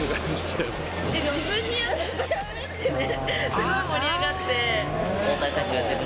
すごい盛り上がって。